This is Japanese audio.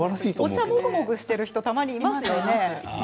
お茶をもぐもぐしている人たまにいますよね。